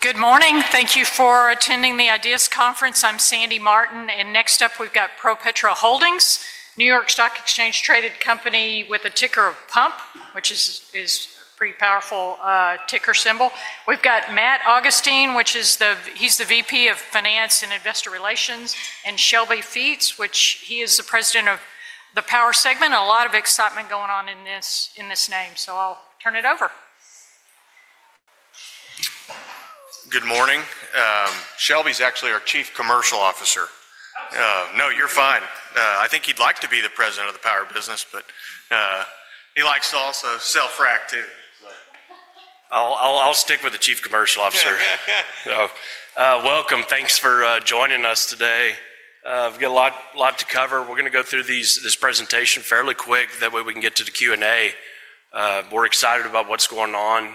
Good morning. Thank you for attending the Ideas Conference. I'm Sandy Martin. Next up, we've got ProPetro Holding, New York Stock Exchange-traded company with a ticker of PUMP, which is a pretty powerful ticker symbol. We've got Matt Augustine, who is the VP of Finance and Investor Relations, and Shelby Fietz, who is the president of the power segment. A lot of excitement going on in this name. I'll turn it over. Good morning. Shelby's actually our Chief Commercial Officer. No, you're fine. I think he'd like to be the president of the power business, but he likes to also sell frac, too. I'll stick with the Chief Commercial Officer. Welcome. Thanks for joining us today. We've got a lot to cover. We're going to go through this presentation fairly quick. That way, we can get to the Q&A. We're excited about what's going on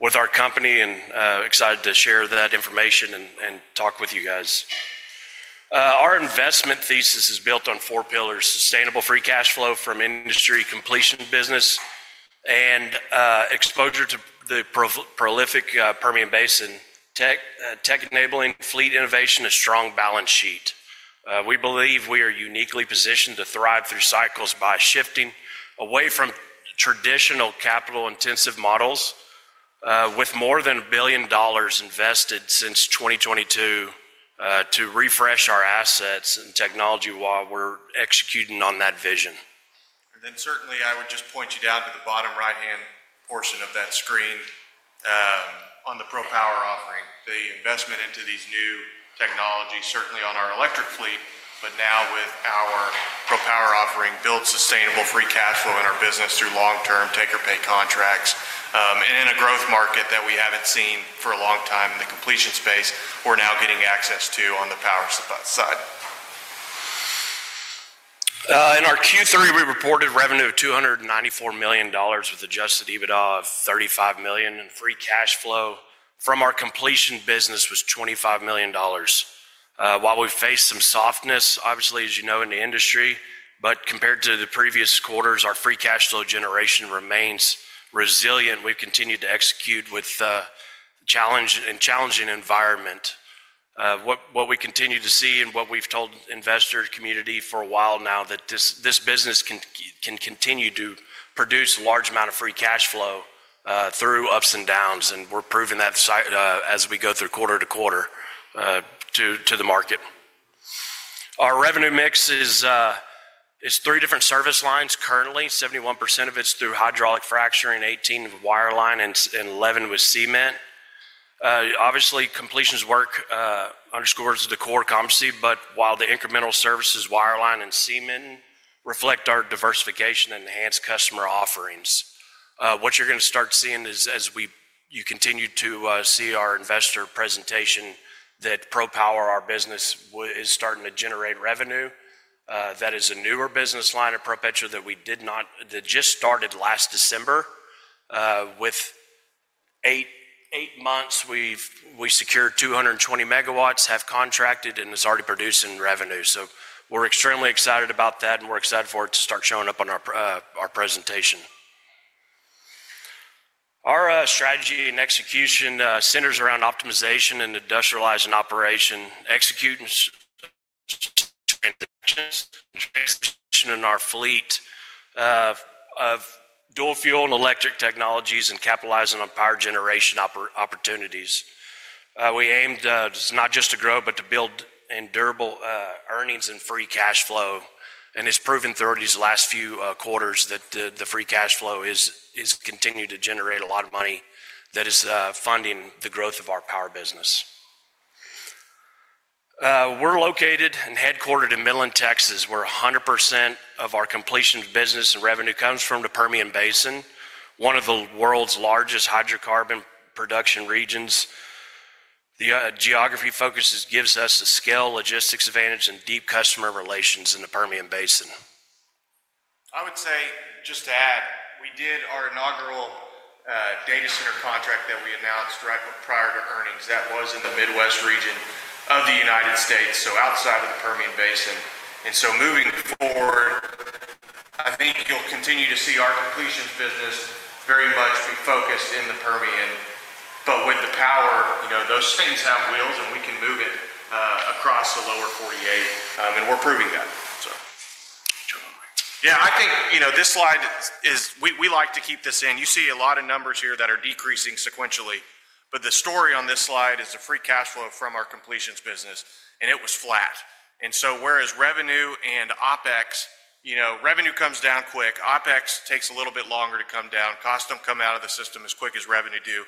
with our company and excited to share that information and talk with you guys. Our investment thesis is built on four pillars: sustainable free cash flow from industry completion business and exposure to the prolific Permian Basin tech, tech-enabling fleet innovation, a strong balance sheet. We believe we are uniquely positioned to thrive through cycles by shifting away from traditional capital-intensive models with more than $1 billion invested since 2022 to refresh our assets and technology while we're executing on that vision. I would just point you down to the bottom right-hand portion of that screen on the ProPower offering, the investment into these new technologies, certainly on our electric fleet, but now with our ProPower offering, build sustainable free cash flow in our business through long-term take-or-pay contracts. In a growth market that we haven't seen for a long time in the completion space, we're now getting access to on the power side. In our Q3, we reported revenue of $294 million, with Adjusted EBITDA of $35 million. Free cash flow from our completion business was $25 million. While we've faced some softness, obviously, as you know, in the industry, compared to the previous quarters, our free cash flow generation remains resilient. We've continued to execute with a challenging environment. What we continue to see and what we've told investor community for a while now, that this business can continue to produce a large amount of free cash flow through ups and downs. We're proving that as we go through quarter to quarter to the market. Our revenue mix is three different service lines currently. 71% of it's through hydraulic fracturing, 18% with wireline, and 11% with cement. Obviously, completions work underscores the core competency. While the incremental services, wireline, and cement reflect our diversification and enhanced customer offerings, what you're going to start seeing is, as you continue to see our investor presentation, that ProPower, our business, is starting to generate revenue. That is a newer business line at ProPetro that we did not that just started last December. With eight months, we've secured 220 megawatts, have contracted, and it's already producing revenue. We are extremely excited about that, and we are excited for it to start showing up on our presentation. Our strategy and execution centers around optimization and industrializing operation, executing transactions, transitioning our fleet of dual-fuel and electric technologies, and capitalizing on power generation opportunities. We aim not just to grow, but to build durable earnings and free cash flow. It is proven through these last few quarters that the free cash flow is continuing to generate a lot of money that is funding the growth of our power business. We are located and headquartered in Midland, Texas. One hundred percent of our completion business and revenue comes from the Permian Basin, one of the world's largest hydrocarbon production regions. The geography focus gives us a scale logistics advantage and deep customer relations in the Permian Basin. I would say, just to add, we did our inaugural data center contract that we announced right prior to earnings. That was in the Midwest region of the United States, so outside of the Permian Basin. Moving forward, I think you'll continue to see our completions business very much be focused in the Permian. With the power, those things have wheels, and we can move it across the Lower 48. We're proving that. Yeah, I think this slide is we like to keep this in. You see a lot of numbers here that are decreasing sequentially. The story on this slide is the free cash flow from our completions business, and it was flat. Whereas revenue and OPEX, revenue comes down quick. OPEX takes a little bit longer to come down. Costs do not come out of the system as quick as revenue do.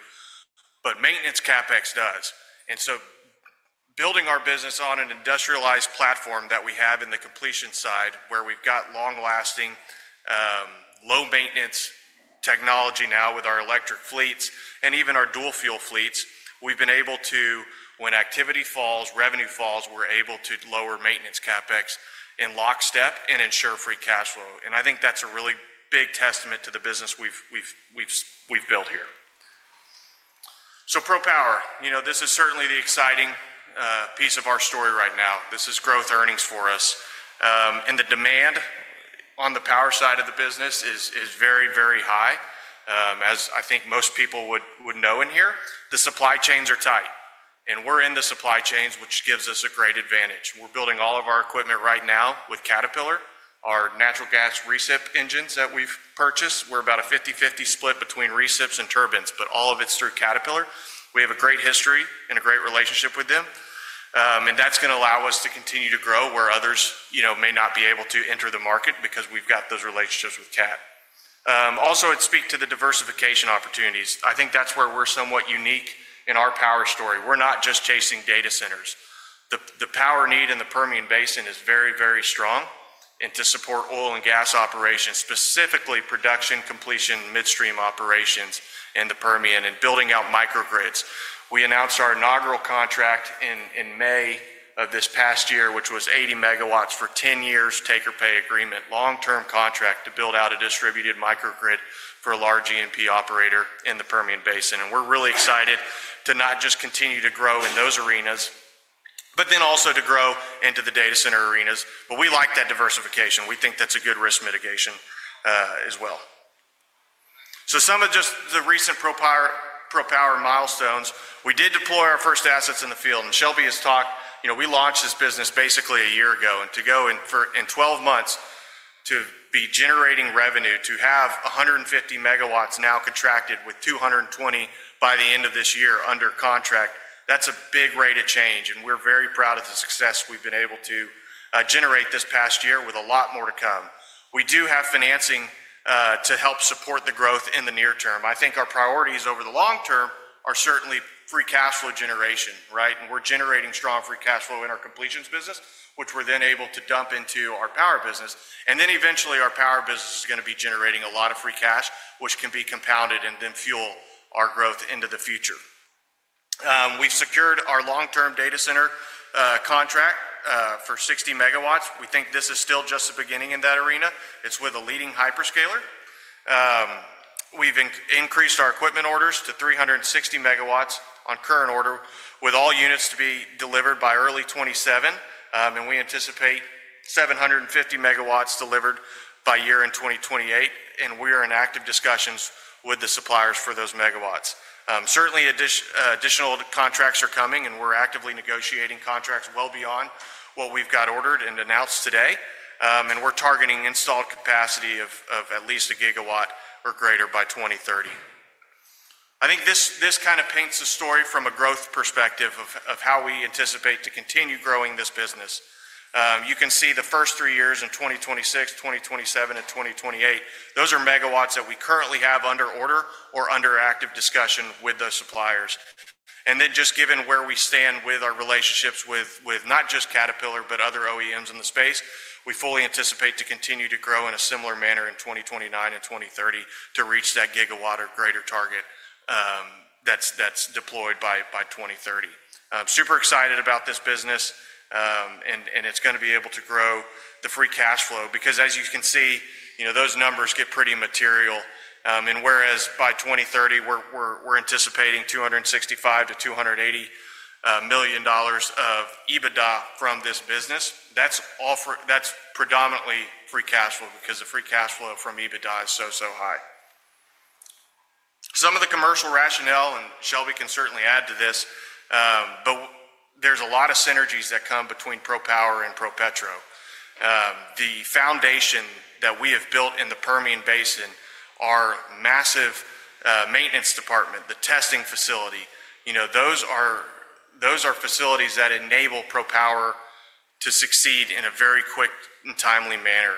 Maintenance CAPEX does. Building our business on an industrialized platform that we have in the completion side, where we have long-lasting, low-maintenance technology now with our electric fleets and even our dual-fuel fleets, we have been able to, when activity falls, revenue falls, we are able to lower maintenance CAPEX in lockstep and ensure free cash flow. I think that is a really big testament to the business we have built here. ProPower, this is certainly the exciting piece of our story right now. This is growth earnings for us. The demand on the power side of the business is very, very high. As I think most people would know in here, the supply chains are tight. We are in the supply chains, which gives us a great advantage. We are building all of our equipment right now with Caterpillar, our natural gas recip engines that we have purchased. We are about a 50/50 split between recip engines and turbines, but all of it is through Caterpillar. We have a great history and a great relationship with them. That is going to allow us to continue to grow where others may not be able to enter the market because we have those relationships with CAT. Also, I would speak to the diversification opportunities. I think that is where we are somewhat unique in our power story. We're not just chasing data centers. The power need in the Permian Basin is very, very strong. To support oil and gas operations, specifically production, completion, midstream operations in the Permian, and building out microgrids. We announced our inaugural contract in May of this past year, which was 80 megawatts for 10 years take-or-pay agreement, long-term contract to build out a distributed microgrid for a large E&P operator in the Permian Basin. We're really excited to not just continue to grow in those arenas, but then also to grow into the data center arenas. We like that diversification. We think that's a good risk mitigation as well. Some of just the recent ProPower milestones, we did deploy our first assets in the field. Shelby has talked, we launched this business basically a year ago. To go in 12 months to be generating revenue, to have 150 megawatts now contracted with 220 by the end of this year under contract, that's a big rate of change. We are very proud of the success we have been able to generate this past year with a lot more to come. We do have financing to help support the growth in the near term. I think our priorities over the long term are certainly free cash flow generation. We are generating strong free cash flow in our completions business, which we are then able to dump into our power business. Eventually, our power business is going to be generating a lot of free cash, which can be compounded and then fuel our growth into the future. We have secured our long-term data center contract for 60 megawatts. We think this is still just the beginning in that arena. It's with a leading hyperscaler. We've increased our equipment orders to 360 megawatts on current order, with all units to be delivered by early 2027. We anticipate 750 megawatts delivered by year-end 2028. We are in active discussions with the suppliers for those megawatts. Certainly, additional contracts are coming, and we're actively negotiating contracts well beyond what we've got ordered and announced today. We're targeting installed capacity of at least a gigawatt or greater by 2030. I think this kind of paints a story from a growth perspective of how we anticipate to continue growing this business. You can see the first three years in 2026, 2027, and 2028, those are megawatts that we currently have under order or under active discussion with those suppliers. Just given where we stand with our relationships with not just Caterpillar, but other OEMs in the space, we fully anticipate to continue to grow in a similar manner in 2029 and 2030 to reach that gigawatt or greater target that's deployed by 2030. Super excited about this business. It's going to be able to grow the free cash flow because, as you can see, those numbers get pretty material. Whereas by 2030, we're anticipating $265 million-$280 million of EBITDA from this business, that's predominantly free cash flow because the free cash flow from EBITDA is so, so high. Some of the commercial rationale, and Shelby can certainly add to this, but there's a lot of synergies that come between ProPower and ProPetro. The foundation that we have built in the Permian Basin, our massive maintenance department, the testing facility, those are facilities that enable ProPower to succeed in a very quick and timely manner.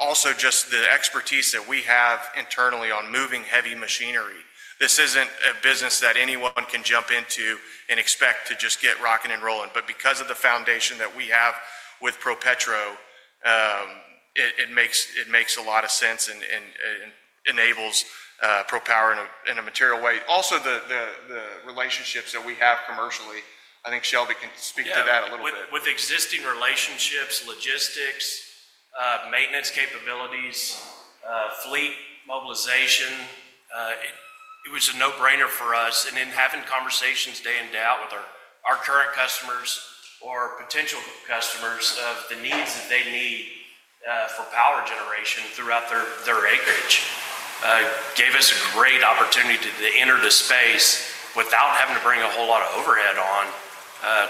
Also, just the expertise that we have internally on moving heavy machinery. This isn't a business that anyone can jump into and expect to just get rocking and rolling. Because of the foundation that we have with ProPetro, it makes a lot of sense and enables ProPower in a material way. Also, the relationships that we have commercially, I think Shelby can speak to that a little bit. With existing relationships, logistics, maintenance capabilities, fleet mobilization, it was a no-brainer for us. Having conversations day in, day out with our current customers or potential customers of the needs that they need for power generation throughout their acreage gave us a great opportunity to enter the space without having to bring a whole lot of overhead on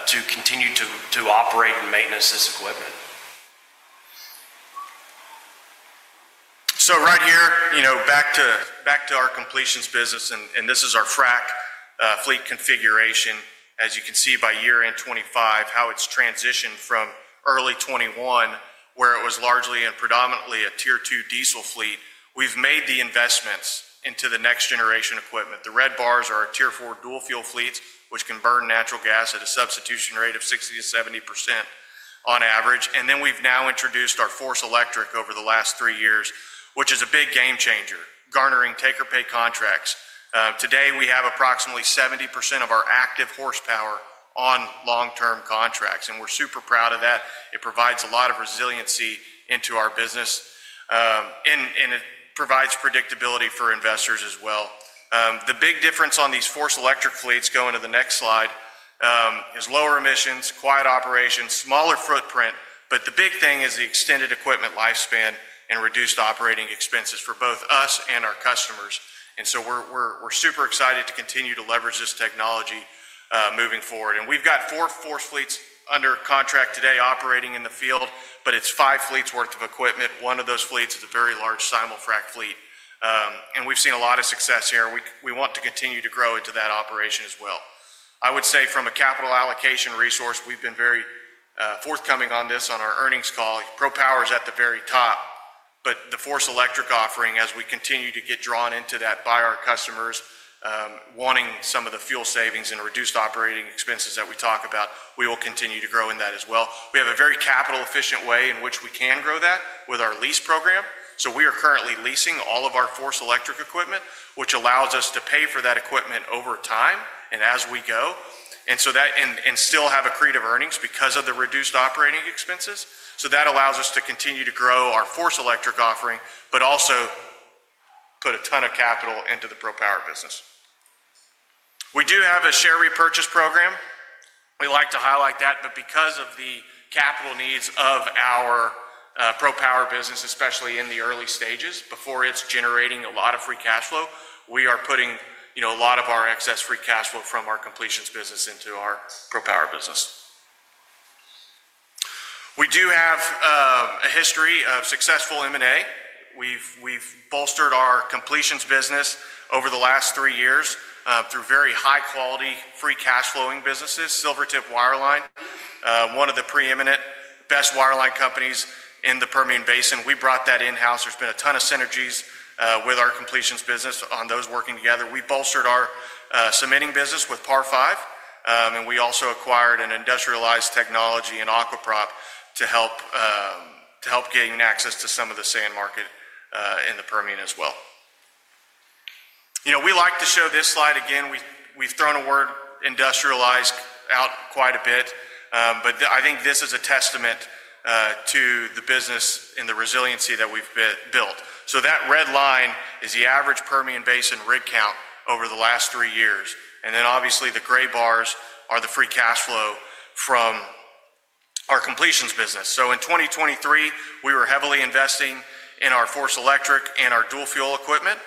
to continue to operate and maintenance this equipment. Right here, back to our completions business, and this is our frac fleet configuration. As you can see by year in 2025, how it has transitioned from early 2021, where it was largely and predominantly a tier two diesel fleet, we have made the investments into the next generation equipment. The red bars are our tier IV dual-fuel fleets, which can burn natural gas at a substitution rate of 60-70% on average. We have now introduced our FORCE electric over the last three years, which is a big game changer, garnering take-or-pay contracts. Today, we have approximately 70% of our active horsepower on long-term contracts. We are super proud of that. It provides a lot of resiliency into our business. It provides predictability for investors as well. The big difference on these FORCE electric fleets, going to the next slide, is lower emissions, quiet operations, smaller footprint. The big thing is the extended equipment lifespan and reduced operating expenses for both us and our customers. We are super excited to continue to leverage this technology moving forward. We have four FORCE fleets under contract today operating in the field, but it is five fleets worth of equipment. One of those fleets is a very large simul frac fleet. We have seen a lot of success here. We want to continue to grow into that operation as well. I would say from a capital allocation resource, we have been very forthcoming on this on our earnings call. ProPower is at the very top. The FORCE electric offering, as we continue to get drawn into that by our customers wanting some of the fuel savings and reduced operating expenses that we talk about, we will continue to grow in that as well. We have a very capital-efficient way in which we can grow that with our lease program. We are currently leasing all of our FORCE electric equipment, which allows us to pay for that equipment over time and as we go, and still have accretive earnings because of the reduced operating expenses. That allows us to continue to grow our FORCE electric offering, but also put a ton of capital into the ProPower business. We do have a share repurchase program. We like to highlight that. Because of the capital needs of our ProPower business, especially in the early stages before it is generating a lot of free cash flow, we are putting a lot of our excess free cash flow from our completions business into our ProPower business. We do have a history of successful M&A. We've bolstered our completions business over the last three years through very high-quality free cash flowing businesses, Silvertip Wireline, one of the preeminent best wireline companies in the Permian Basin. We brought that in-house. There's been a ton of synergies with our completions business on those working together. We bolstered our cementing business with Par 5. We also acquired an industrialized technology in AquaProp to help gain access to some of the sand market in the Permian as well. We like to show this slide again. We've thrown a word industrialized out quite a bit. I think this is a testament to the business and the resiliency that we've built. That red line is the average Permian Basin rig count over the last three years. Obviously, the gray bars are the free cash flow from our completions business. In 2023, we were heavily investing in our FORCE electric and our dual-fuel equipment.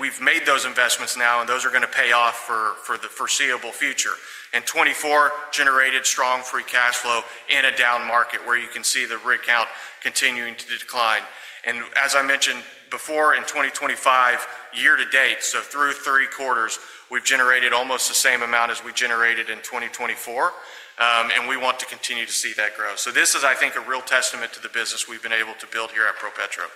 We have made those investments now, and those are going to pay off for the foreseeable future. 2024 generated strong free cash flow in a down market where you can see the rig count continuing to decline. As I mentioned before, in 2025, year to date, so through three quarters, we have generated almost the same amount as we generated in 2024. We want to continue to see that grow. This is, I think, a real testament to the business we have been able to build here at ProPetro.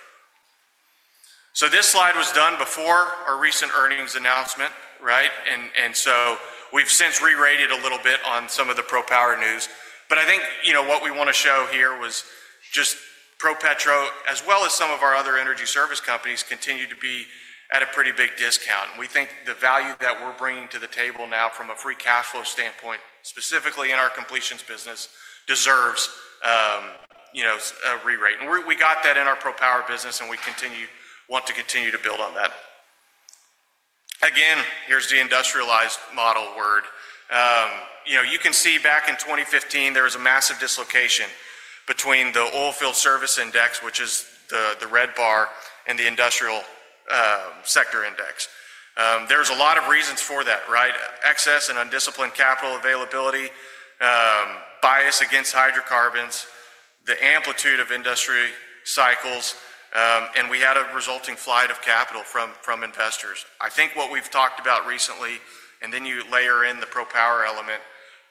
This slide was done before our recent earnings announcement. We have since re-rated a little bit on some of the ProPower news. I think what we want to show here was just ProPetro, as well as some of our other energy service companies, continue to be at a pretty big discount. We think the value that we're bringing to the table now from a free cash flow standpoint, specifically in our completions business, deserves a re-rate. We got that in our ProPower business, and we want to continue to build on that. Again, here's the industrialized model word. You can see back in 2015, there was a massive dislocation between the oil field service index, which is the red bar, and the industrial sector index. There's a lot of reasons for that: excess and undisciplined capital availability, bias against hydrocarbons, the amplitude of industry cycles. We had a resulting flight of capital from investors. I think what we've talked about recently, and then you layer in the ProPower element,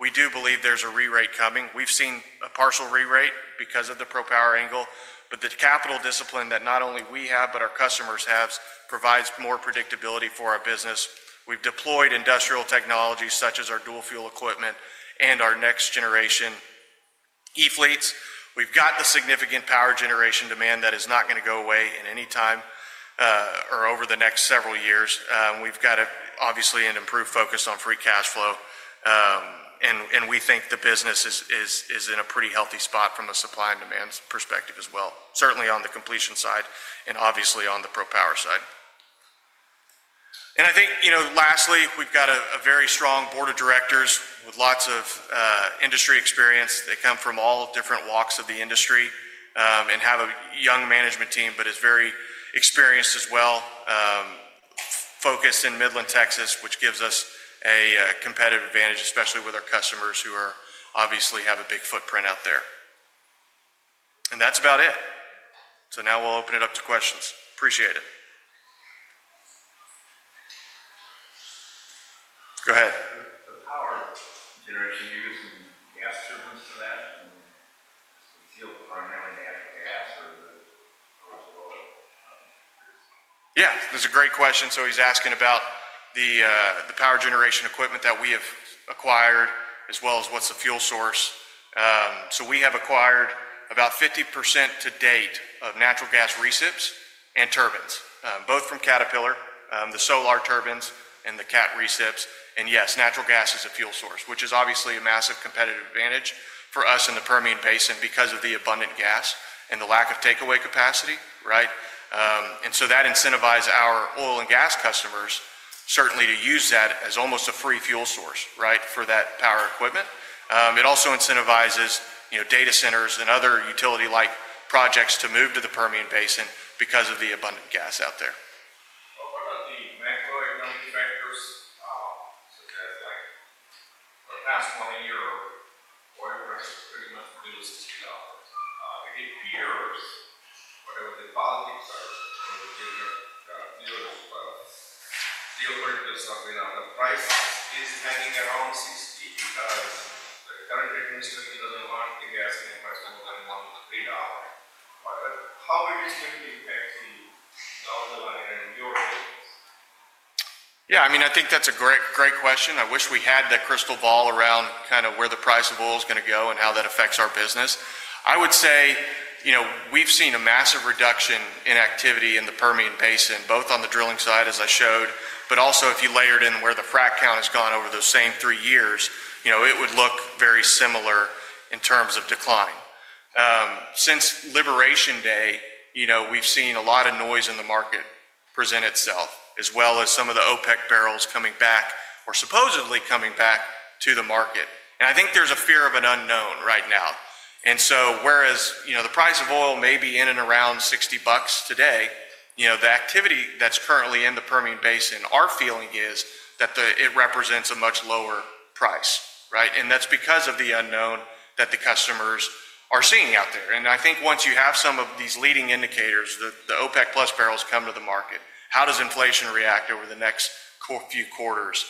we do believe there's a re-rate coming. We've seen a partial re-rate because of the ProPower angle. The capital discipline that not only we have, but our customers have provides more predictability for our business. We've deployed industrial technologies such as our dual-fuel equipment and our next generation E-fleets. We've got the significant power generation demand that is not going to go away any time or over the next several years. We've got, obviously, an improved focus on free cash flow. We think the business is in a pretty healthy spot from a supply and demand perspective as well, certainly on the completion side and obviously on the ProPower side. I think lastly, we've got a very strong board of directors with lots of industry experience. They come from all different walks of the industry and have a young management team, but it's very experienced as well, focused in Midland, Texas, which gives us a competitive advantage, especially with our customers who obviously have a big footprint out there. That's about it. Now we'll open it up to questions. Appreciate it. Go ahead. How are generation? Do you get some gas turbines for that? Is it still primarily natural gas or the overall? Yeah. That's a great question. He's asking about the power generation equipment that we have acquired, as well as what's the fuel source. We have acquired about 50% to date of natural gas recip engines and turbines, both from Caterpillar, the Solar turbines, and the Cat recip engines. Yes, natural gas is a fuel source, which is obviously a massive competitive advantage for us in the Permian Basin because of the abundant gas and the lack of takeaway capacity. That incentivizes our oil and gas customers certainly to use that as almost a free fuel source for that power equipment. It also incentivizes data centers and other utility-like projects to move to the Permian Basin because of the abundant gas out there. What about the macroeconomic factors such as the past 20 years, oil prices pretty much below $60? The gears, whatever the politics are, whether it's gears, steel prices or something, the price is hanging around $60 because the current regulation doesn't want the gas price more than $1 to $3. How it is going to impact the down the line in your business? Yeah. I mean, I think that's a great question. I wish we had that crystal ball around kind of where the price of oil is going to go and how that affects our business. I would say we've seen a massive reduction in activity in the Permian Basin, both on the drilling side, as I showed, but also if you layered in where the frac count has gone over those same three years, it would look very similar in terms of decline. Since Liberation Day, we've seen a lot of noise in the market present itself, as well as some of the OPEC barrels coming back or supposedly coming back to the market. I think there's a fear of an unknown right now. Whereas the price of oil may be in and around $60 today, the activity that is currently in the Permian Basin, our feeling is that it represents a much lower price. That is because of the unknown that the customers are seeing out there. I think once you have some of these leading indicators, the OPEC Plus barrels come to the market, how does inflation react over the next few quarters?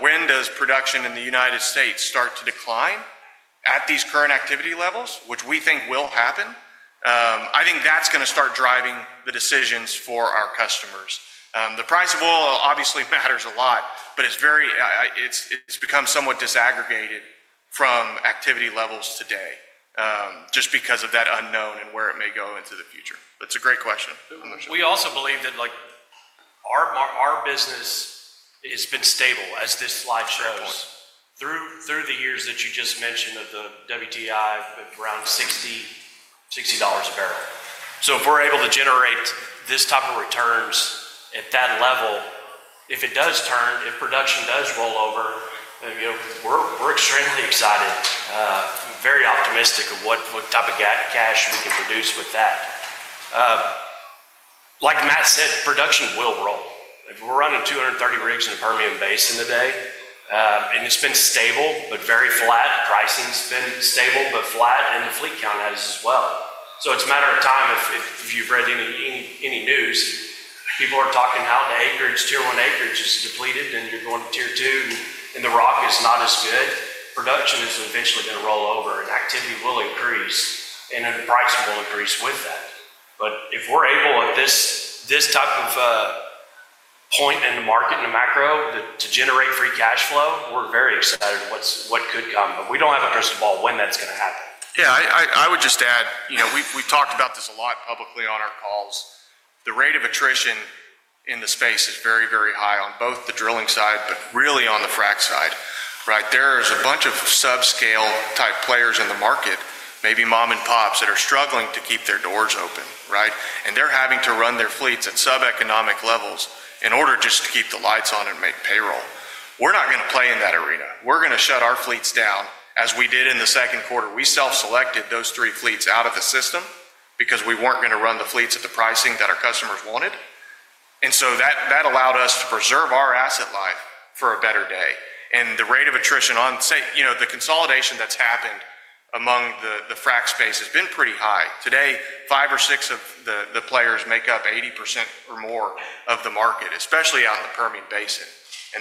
When does production in the United States start to decline at these current activity levels, which we think will happen? I think that is going to start driving the decisions for our customers. The price of oil obviously matters a lot, but it has become somewhat disaggregated from activity levels today just because of that unknown and where it may go into the future. That is a great question. We also believe that our business has been stable, as this slide shows, through the years that you just mentioned of the WTI, around $60 a barrel. If we're able to generate this type of returns at that level, if it does turn, if production does roll over, we're extremely excited, very optimistic of what type of cash we can produce with that. Like Matt said, production will roll. We're running 230 rigs in the Permian Basin today. It's been stable, but very flat. Pricing's been stable, but flat, and the fleet count has as well. It's a matter of time. If you've read any news, people are talking now the acreage, tier one acreage is depleted, and you're going to tier two, and the rock is not as good. Production is eventually going to roll over, and activity will increase, and the price will increase with that. If we're able at this type of point in the market and the macro to generate free cash flow, we're very excited what could come. We don't have a crystal ball when that's going to happen. Yeah. I would just add, we've talked about this a lot publicly on our calls. The rate of attrition in the space is very, very high on both the drilling side, but really on the frac side. There is a bunch of subscale type players in the market, maybe mom and pops that are struggling to keep their doors open. They're having to run their fleets at sub-economic levels in order just to keep the lights on and make payroll. We're not going to play in that arena. We're going to shut our fleets down as we did in the second quarter. We self-selected those three fleets out of the system because we weren't going to run the fleets at the pricing that our customers wanted. That allowed us to preserve our asset life for a better day. The rate of attrition on the consolidation that's happened among the frac space has been pretty high. Today, five or six of the players make up 80% or more of the market, especially out in the Permian Basin.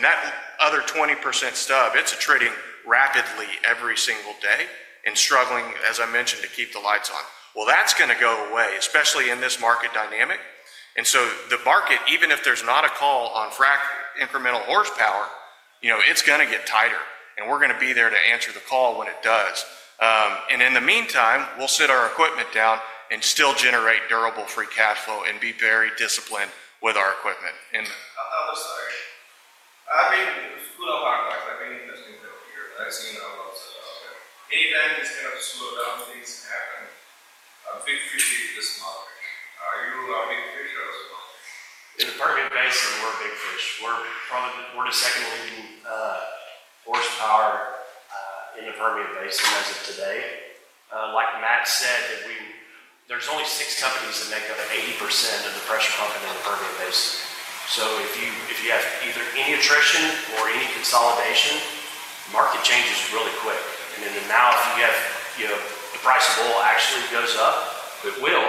That other 20% stub, it's attriting rapidly every single day and struggling, as I mentioned, to keep the lights on. That is going to go away, especially in this market dynamic. The market, even if there's not a call on frac incremental horsepower, is going to get tighter. We are going to be there to answer the call when it does. In the meantime, we'll sit our equipment down and still generate durable free cash flow and be very disciplined with our equipment. I'm sorry. I mean, it was full of hard facts. I've been interested in the field. I've seen a lot of stuff out there. Anytime it's going to slow down, things happen. Big fish in this market. Are you a big fish or a small fish? In the Permian Basin, we're a big fish. We're the second leading horsepower in the Permian Basin as of today. Like Matt said, there's only six companies that make up 80% of the pressure pumping in the Permian Basin. If you have either any attrition or any consolidation, the market changes really quick. If you have the price of oil actually goes up, it will.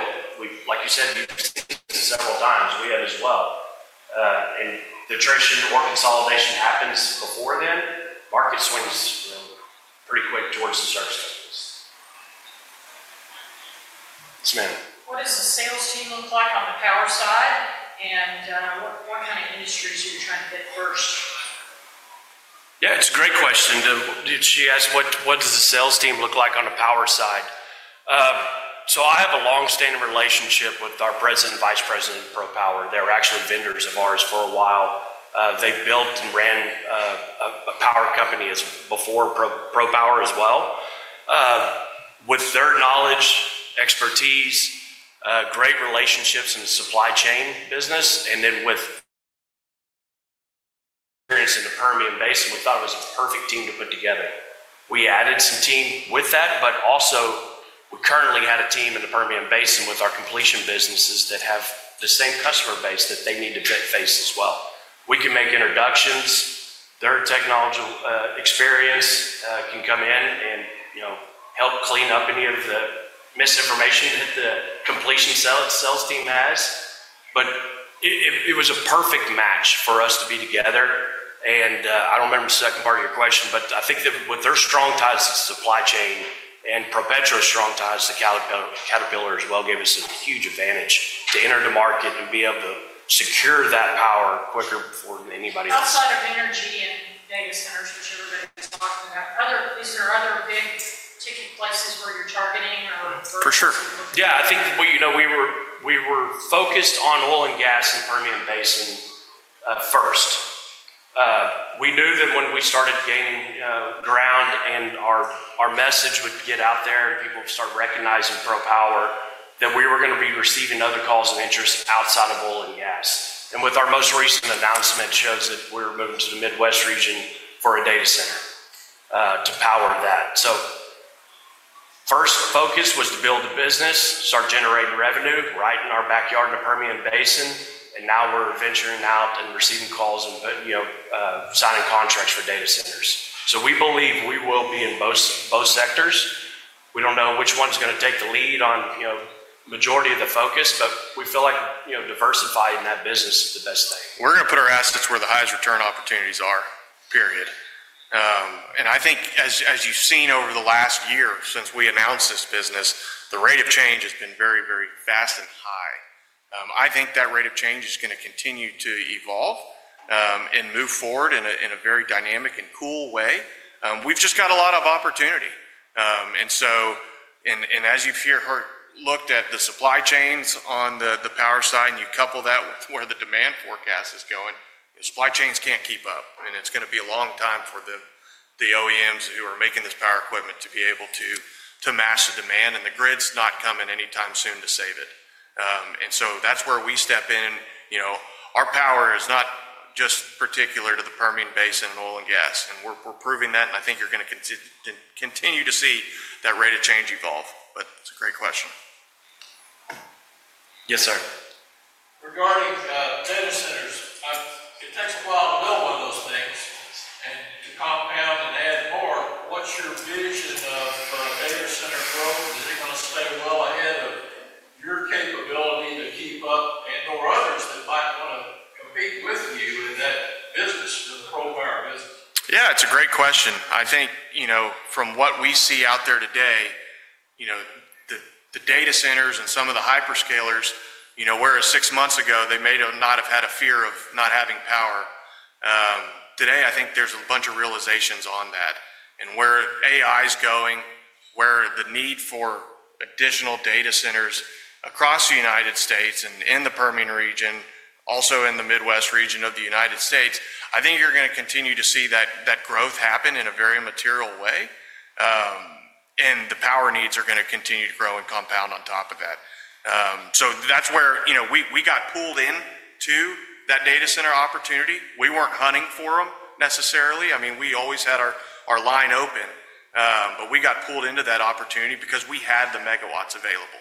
Like you said, you've seen this several times. We have as well. The attrition or consolidation happens before then, market swings pretty quick towards the surface. Yes, ma'am. What does the sales team look like on the power side? What kind of industries are you trying to get first? Yeah. It's a great question. She asked, what does the sales team look like on the power side? I have a long-standing relationship with our President and Vice President of ProPower. They were actually vendors of ours for a while. They built and ran a power company before ProPower as well. With their knowledge, expertise, great relationships in the supply chain business, and then with experience in the Permian Basin, we thought it was a perfect team to put together. We added some team with that, but also we currently had a team in the Permian Basin with our completion businesses that have the same customer base that they need to face as well. We can make introductions. Their technological experience can come in and help clean up any of the misinformation that the completion sales team has. It was a perfect match for us to be together. I do not remember the second part of your question, but I think that with their strong ties to supply chain and ProPetro's strong ties to Caterpillar as well gave us a huge advantage to enter the market and be able to secure that power quicker than anybody else. Outside of energy and data centers, which everybody was talking about, is there other big ticket places where you're targeting or? For sure. Yeah. I think we were focused on oil and gas in the Permian Basin first. We knew that when we started gaining ground and our message would get out there and people would start recognizing ProPower, that we were going to be receiving other calls of interest outside of oil and gas. With our most recent announcement, it shows that we were moving to the Midwest region for a data center to power that. First focus was to build a business, start generating revenue, right in our backyard in the Permian Basin. Now we're venturing out and receiving calls and signing contracts for data centers. We believe we will be in both sectors. We do not know which one's going to take the lead on the majority of the focus, but we feel like diversifying that business is the best thing. We're going to put our assets where the highest return opportunities are, period. I think as you've seen over the last year since we announced this business, the rate of change has been very, very fast and high. I think that rate of change is going to continue to evolve and move forward in a very dynamic and cool way. We've just got a lot of opportunity. As you've looked at the supply chains on the power side and you couple that with where the demand forecast is going, supply chains can't keep up. It's going to be a long time for the OEMs who are making this power equipment to be able to match the demand. The grid's not coming anytime soon to save it. That's where we step in. Our power is not just particular to the Permian Basin and oil and gas. We are proving that. I think you are going to continue to see that rate of change evolve. It is a great question. Yes, sir. Regarding data centers, it takes a while to build one of those things. To compound and add more, what is your vision for data center growth? Is it going to stay well ahead of your capability to keep up and/or others that might want to compete with you in that business, in the ProPower business? Yeah. It's a great question. I think from what we see out there today, the data centers and some of the hyperscalers, whereas six months ago, they may not have had a fear of not having power. Today, I think there's a bunch of realizations on that. Where AI is going, where the need for additional data centers across the United States and in the Permian region, also in the Midwest region of the United States, I think you're going to continue to see that growth happen in a very material way. The power needs are going to continue to grow and compound on top of that. That's where we got pulled into that data center opportunity. We weren't hunting for them necessarily. I mean, we always had our line open. We got pulled into that opportunity because we had the megawatts available.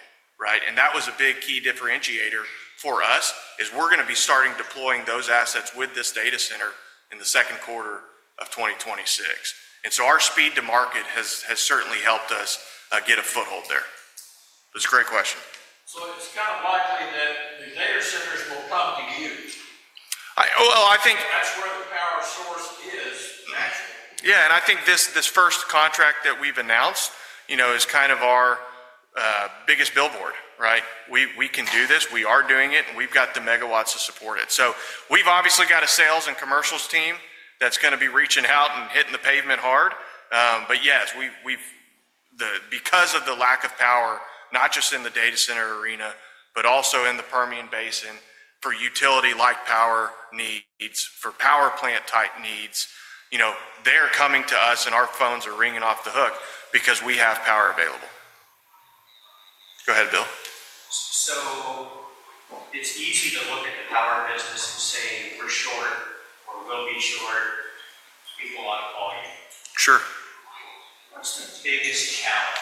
That was a big key differentiator for us is we're going to be starting deploying those assets with this data center in the second quarter of 2026. Our speed to market has certainly helped us get a foothold there. It was a great question. It's kind of likely that the data centers will come to you. I think. That's where the power source is naturally. Yeah. I think this first contract that we've announced is kind of our biggest billboard. We can do this. We are doing it. We've got the megawatts to support it. We've obviously got a sales and commercials team that's going to be reaching out and hitting the pavement hard. Yes, because of the lack of power, not just in the data center arena, but also in the Permian Basin for utility-like power needs, for power plant-type needs, they're coming to us and our phones are ringing off the hook because we have power available. Go ahead, Bill. It's easy to look at the power business and say we're short or we'll be short. People want volume. Sure. What's the biggest challenge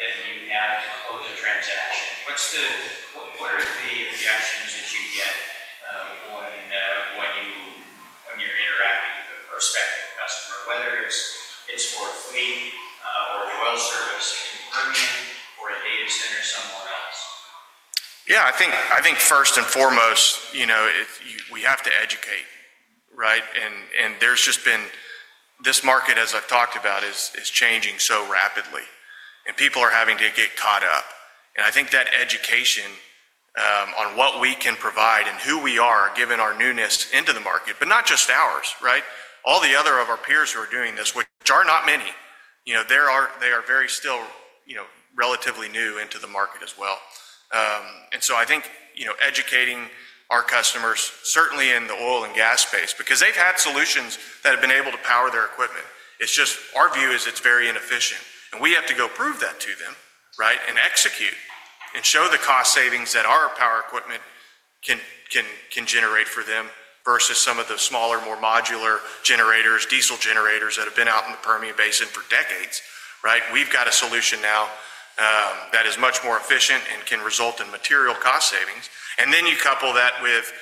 that you have to close a transaction? What are the objections that you get when you're interacting with a prospective customer, whether it's for a fleet or a oil service in Permian or a data center somewhere else? Yeah. I think first and foremost, we have to educate. This market, as I have talked about, is changing so rapidly. People are having to get caught up. I think that education on what we can provide and who we are given our newness into the market, but not just ours, all the other of our peers who are doing this, which are not many. They are still relatively new into the market as well. I think educating our customers, certainly in the oil and gas space, because they have had solutions that have been able to power their equipment. It is just our view is it is very inefficient. We have to go prove that to them and execute and show the cost savings that our power equipment can generate for them versus some of the smaller, more modular generators, diesel generators that have been out in the Permian Basin for decades. We have got a solution now that is much more efficient and can result in material cost savings. You couple that with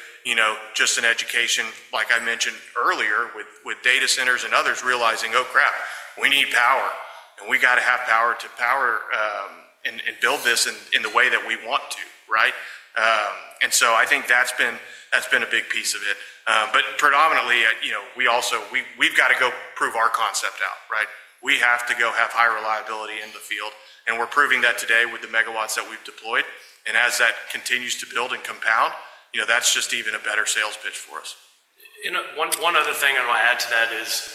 just an education, like I mentioned earlier, with data centers and others realizing, "Oh, crap, we need power. We have got to have power to power and build this in the way that we want to." I think that has been a big piece of it. Predominantly, we have got to go prove our concept out. We have to go have high reliability in the field. We are proving that today with the megawatts that we have deployed. As that continues to build and compound, that's just even a better sales pitch for us. One other thing I want to add to that is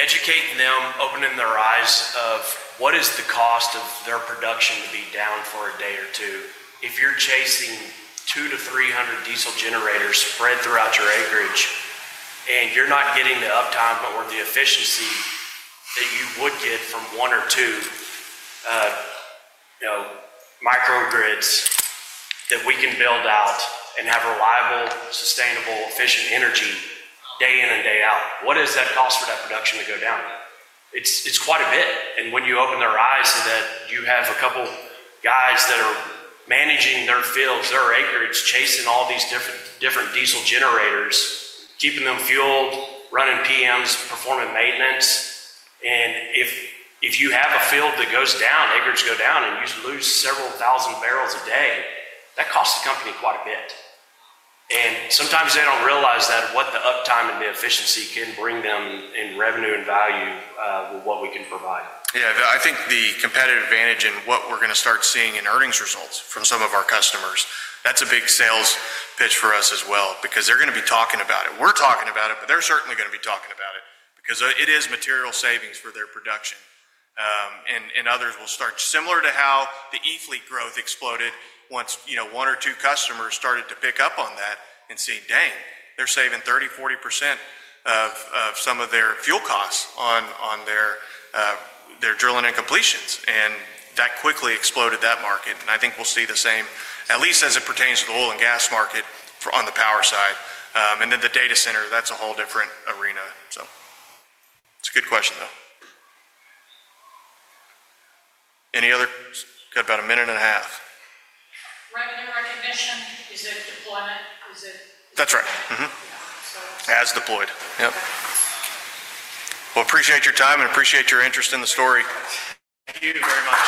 educating them, opening their eyes of what is the cost of their production to be down for a day or two. If you're chasing 200-300 diesel generators spread throughout your acreage and you're not getting the uptime or the efficiency that you would get from one or two microgrids that we can build out and have reliable, sustainable, efficient energy day in and day out, what does that cost for that production to go down? It's quite a bit. When you open their eyes to that, you have a couple of guys that are managing their fields, their acreage, chasing all these different diesel generators, keeping them fueled, running PMs, performing maintenance. If you have a field that goes down, acreage go down, and you lose several thousand barrels a day, that costs the company quite a bit. Sometimes they do not realize that what the uptime and the efficiency can bring them in revenue and value with what we can provide. Yeah. I think the competitive advantage and what we're going to start seeing in earnings results from some of our customers, that's a big sales pitch for us as well because they're going to be talking about it. We're talking about it, but they're certainly going to be talking about it because it is material savings for their production. Others will start similar to how the E-fleet growth exploded once one or two customers started to pick up on that and see, "Dang, they're saving 30-40% of some of their fuel costs on their drilling and completions." That quickly exploded that market. I think we'll see the same, at least as it pertains to the oil and gas market on the power side. The data center, that's a whole different arena. It's a good question, though. Any other? Got about a minute and a half. Revenue recognition? Is it deployment? Is it? That's right. Has deployed. Yep. I appreciate your time and appreciate your interest in the story. Thank you very much.